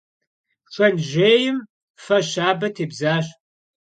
Шэнт жьейм фэ щабэ тебзащ.